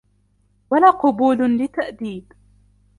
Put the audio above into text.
وَلَا قَبُولٌ لِتَأْدِيبٍ